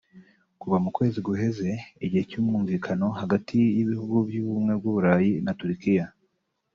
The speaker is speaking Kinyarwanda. kuva mu kwezi guheze igihe cy'umwumvikano hagati y'ibihugu vy'ubumwe bwa Bulaya na Turukira